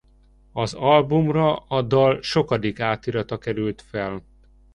Az albumra a dal sokadik átirata került fel.